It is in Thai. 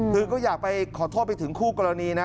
คือก็อยากไปขอโทษไปถึงคู่กรณีนะ